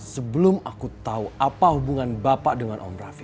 sebelum aku tahu apa hubungan bapak dengan om raffi